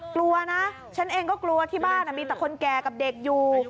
กลัวนะฉันเองก็กลัวที่บ้านมีแต่คนแก่กับเด็กอยู่